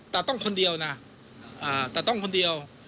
แต่ต้องคนเดียวนะแต่ต้องคนเดียว